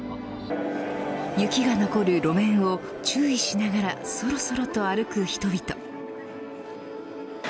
雪が残る路面を、注意しながらそろそろと歩く人々。